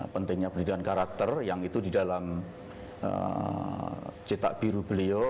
pentingnya pendidikan karakter yang itu di dalam cetak biru beliau